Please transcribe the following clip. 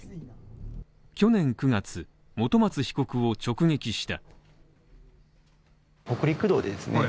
去年９月、本松被告を直撃した。